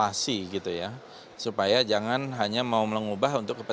dan itu dimasukkan di dalam adendum adendum tadi